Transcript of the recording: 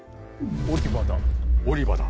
オリバだ。